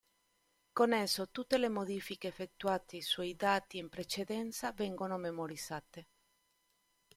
Con esso tutte le modifiche effettuate sui dati in precedenza vengono memorizzate.